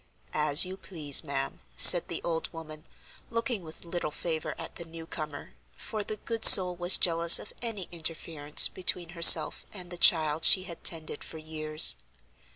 "As you please, ma'am," said the old woman, looking with little favor at the new comer, for the good soul was jealous of any interference between herself and the child she had tended for years.